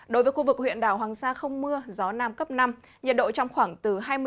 đối với khu vực huyện đảo hoàng sa không mưa gió nam cấp năm nhiệt độ trong khoảng từ hai mươi ba độ